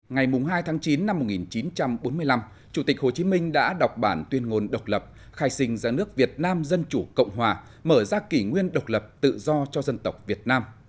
ngày hai tháng chín năm một nghìn chín trăm bốn mươi năm chủ tịch hồ chí minh đã đọc bản tuyên ngôn độc lập khai sinh ra nước việt nam dân chủ cộng hòa mở ra kỷ nguyên độc lập tự do cho dân tộc việt nam